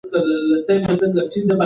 آیا تاسو د ټولنپوهنې اړوند تجربه لرئ؟